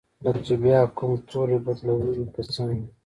لکه چې بیا کوم توری بدلوي که څنګه؟